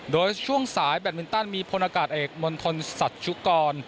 โดยช่วงสายแบตมินตันมีพลอากาศเอกมณฑลสัชชุกร